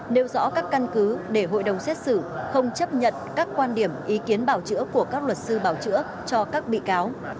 nêu rõ các căn cứ để hội đồng xét xử không chấp nhận các quan điểm ý kiến bảo chữa của các luật sư bảo chữa cho các bị cáo